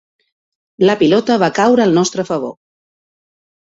La pilota va caure al nostre favor.